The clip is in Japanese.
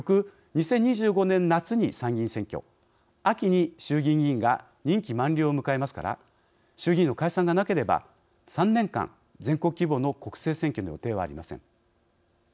翌２０２５年夏に参議院選挙秋に衆議院議員が任期満了を迎えますから衆議院の解散がなければ３年間、全国規模の国政選挙の予定はありません。